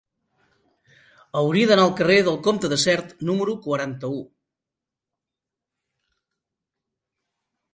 Hauria d'anar al carrer del Comte de Sert número quaranta-u.